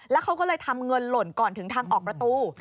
แล้วเขาก็เลยทำเงินหล่นก่อนถึงทางออกประตู